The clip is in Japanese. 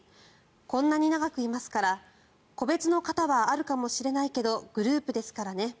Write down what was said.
こんなに長くいますから個別の方はあるかもしれないけどグループですからね